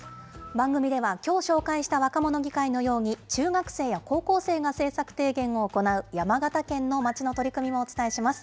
番組ではきょう紹介した若者議会のように、中学生や高校生が政策提言を行う山形県の町の取り組みもお伝えします。